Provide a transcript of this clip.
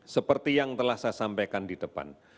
seperti yang telah saya sampaikan di depan